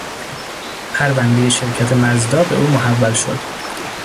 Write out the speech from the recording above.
پروندهی شرکت مزدا به او محول شد.